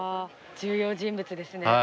重要人物ですね。